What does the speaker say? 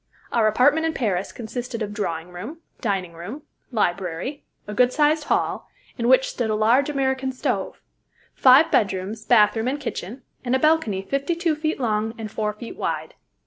Our apartment in Paris consisted of drawing room, dining room, library, a good sized hall, in which stood a large American stove, five bedrooms, bathroom, and kitchen, and a balcony fifty two feet long and four feet wide.